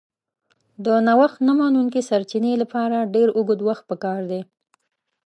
د نوښت نه منونکي سرچینې لپاره ډېر اوږد وخت پکار دی.